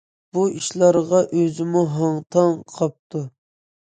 بۇ ئىشلارغا ئۆزىمۇ ھاڭ- تاڭ قاپتۇ.